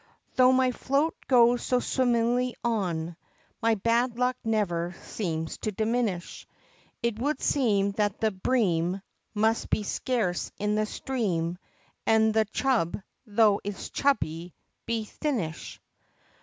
Though my float goes so swimmingly on, My bad luck never seems to diminish; It would seem that the Bream Must be scarce in the stream, And the Chub, tho' it's chubby, be thinnish!